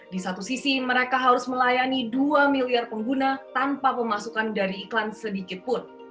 di satu sisi mereka harus melayani dua miliar pengguna tanpa pemasukan dari iklan sedikitpun